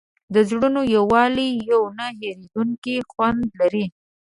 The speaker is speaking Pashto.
د زړونو یووالی یو نه هېرېدونکی خوند لري.